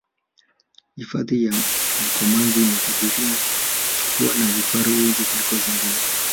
hifadhi ya mkomazi imebarikiwa kuwa na vifaru wengi kuliko zingine